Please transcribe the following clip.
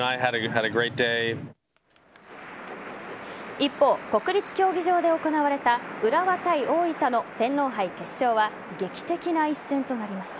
一方、国立競技場で行われた浦和対大分の天皇杯決勝は劇的な一戦となりました。